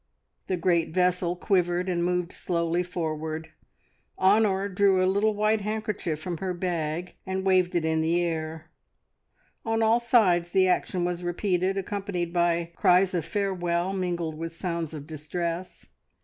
The great vessel quivered and moved slowly forward. Honor drew a little white handkerchief from her bag and waved it in the air; on all sides the action was repeated, accompanied by cries of farewell mingled with sounds of distress.